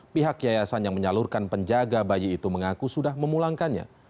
pihak yayasan yang menyalurkan penjaga bayi itu mengaku sudah memulangkannya